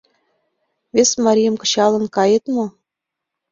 Вес марийым кычал кает мо?